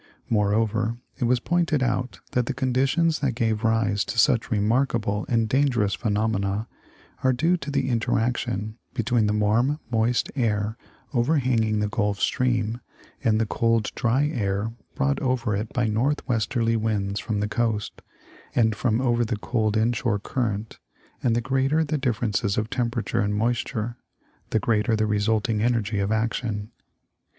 Moreover, it was pointed out that the conditions that gave rise to such remarkable and dangerous phenomena are due to the interaction between the warm moist air overhanging the Gulf stream and the cold dry air brought over it by northwesterly winds from the coast, and from over the cold inshore current, and the greater the differences of temperature and moisture, the greater the resulting energy of action.